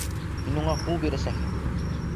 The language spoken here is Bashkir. Һин уға ҡул бирәсәкһең!